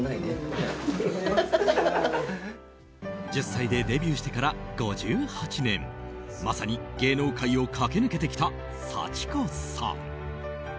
１０歳でデビューしてから５８年まさに芸能界を駆け抜けてきた幸子さん。